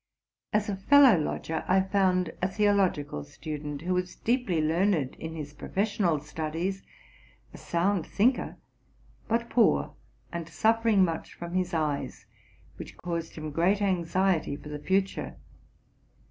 As a fellow lodger I found a theological student, who was deeply learned in his professional studies, a sound thinker, but poor, and suffering much from his eyes, which caused iets great anxiety for "the future.